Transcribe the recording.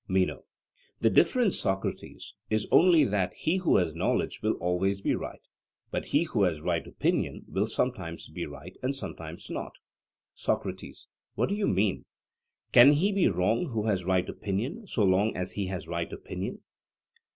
MENO: The difference, Socrates, is only that he who has knowledge will always be right; but he who has right opinion will sometimes be right, and sometimes not. SOCRATES: What do you mean? Can he be wrong who has right opinion, so long as he has right opinion?